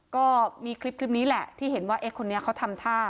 ก็มีคลิปนี้แหละที่เห็นว่าเอ๊ะคนนี้เขาทำท่า